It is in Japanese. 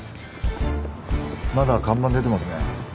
まだ看板出てますね。